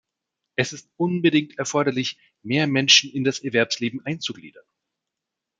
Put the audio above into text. Es ist unbedingt erforderlich, mehr Menschen in das Erwerbsleben einzugliedern.